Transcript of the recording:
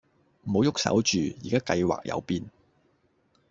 唔好喐手住，宜家計劃有變